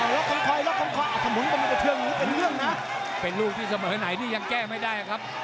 เป็นอย่างนี้เป็นลูกที่เสมอไหนนี่ยังแก้ไม่ได้ครับ